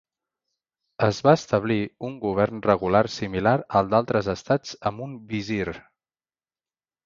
Es va establir un govern regular similar al d'altres estats amb un visir.